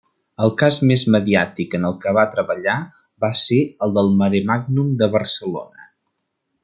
El cas més mediàtic en què va treballar va ser el del Maremàgnum de Barcelona.